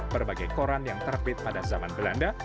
berbagai koran yang terbit pada zaman belanda